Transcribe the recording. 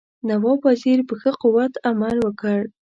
نواب وزیر په ښه قوت عمل وکړ.